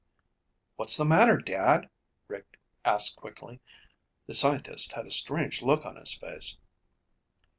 "What's the matter, Dad?" Rick asked quickly. The scientist had a strange look on his face.